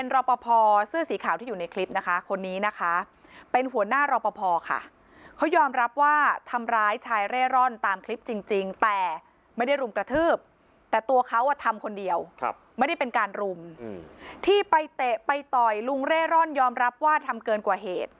รบพอพอหลายคนด้วยนะครับค่ะ